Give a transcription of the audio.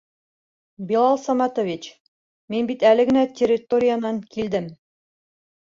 Билал Саматович, мин бит әле генә территориянан килдем.